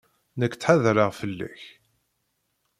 Nekk ttḥadareɣ fell-ak.